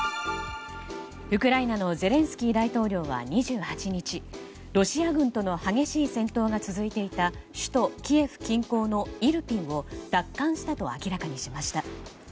ウクライナのゼレンスキー大統領は２８日、ロシア軍との激しい戦闘が続いていた首都キエフ近郊のイルピンを奪還したと明らかにしました。